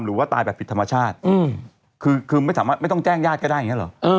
หรือว่าตายแบบผิดธรรมชาติคือไม่สามารถไม่ต้องแจ้งญาติก็ได้อย่างนี้หรอ